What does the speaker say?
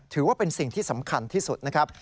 ถือว่าเป็นสิ่งที่สำคัญที่สุดนะครับ